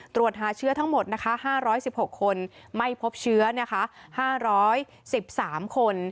ตรวจหาเชื้อทั้งหมด๕๑๖คนไม่พบเชื้อ๕๑๓คน